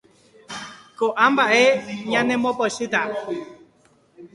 Ko'ã mba'e ñanembopochytantevoi.